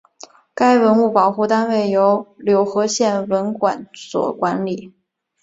该文物保护单位由柳河县文管所管理。